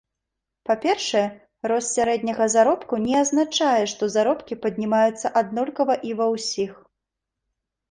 Па-першае, рост сярэдняга заробку не азначае, што заробкі паднімаюцца аднолькава і ва ўсіх.